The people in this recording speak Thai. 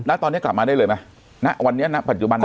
ณตอนนี้กลับมาได้เลยมั้ยวันนี้ปัจจุบัน